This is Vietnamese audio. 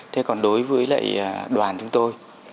thế còn đối với lại đoàn chúng tôi